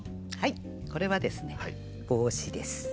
これはですね帽子です。